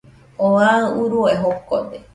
Oo aɨ urue jokode